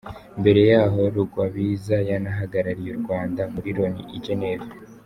Mbere yaho, Rugwabiza yanahagarariye u Rwanda muri Loni I Geneve.